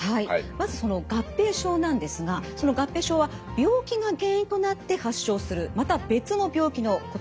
まずその合併症なんですがその合併症は病気が原因となって発症するまた別の病気のことです。